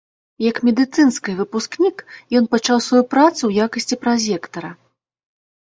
Як медыцынскай выпускнік, ён пачаў сваю працу ў якасці празектара.